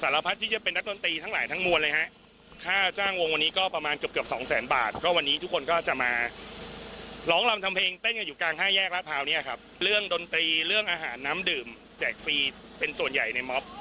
เรื่องดนตรีเรื่องอาหารน้ำดื่มแจกฟรีเป็นส่วนใหญ่ในม็อบ